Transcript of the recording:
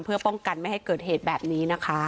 เพื่อป้องกันไม่ให้เกิดเหตุแบบนี้นะคะ